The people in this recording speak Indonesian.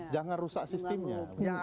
jangan rusak sistemnya